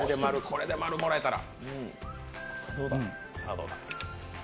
これで○もらえたら。